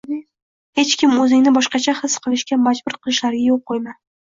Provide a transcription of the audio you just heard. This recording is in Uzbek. hech kimga o‘zingni boshqacha his qilishga majbur qilishlariga yo‘l qo‘yma.